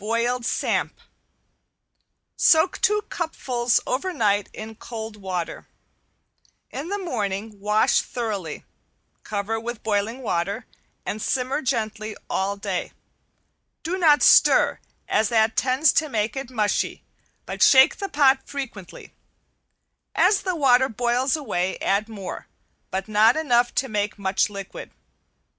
~BOILED SAMP~ Soak two cupfuls over night in cold water. In the morning wash thoroughly, cover with boiling water, and simmer gently all day. Do not stir, as that tends to make it mushy, but shake the pot frequently. As the water boils away add more, but not enough to make much liquid.